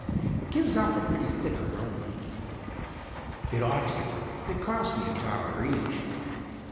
It gives off a pretty thick aroma." "It ought to. They cost me a dollar each."